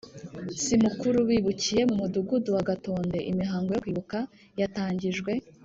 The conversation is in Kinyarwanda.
si mukuru bibukiye mu Mudugudu wa Gatonde Imihango yo kwibuka yatangijwe